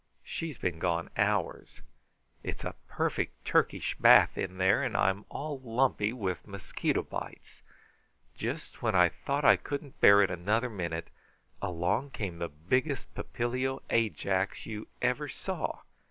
She's been gone hours. It's a perfect Turkish bath in there, and I'm all lumpy with mosquito bites. Just when I thought that I couldn't bear it another minute, along came the biggest Papilio Ajax you ever saw.